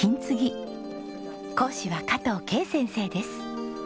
講師は加藤恵先生です。